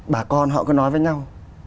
bà con họ cứ nói với nhau